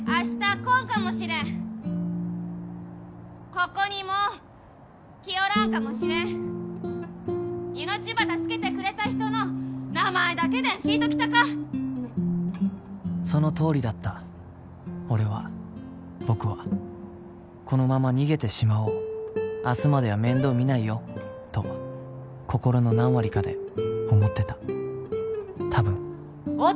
来んかもしれんここにもう来よらんかもしれん命ば助けてくれた人の名前だけでん聞いときたかそのとおりだった俺は僕はこのまま逃げてしまおう明日までは面倒見ないよと心の何割かで思ってたたぶん音！